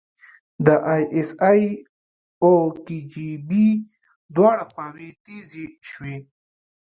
د ای اس ای او کي جی بي دواړه خواوې تیزې شوې.